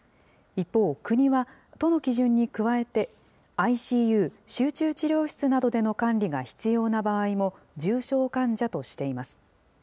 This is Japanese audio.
一方、国は都の基準に加えて、ＩＣＵ・集中治療室などでの管理が必要な場合も、重症患者としています。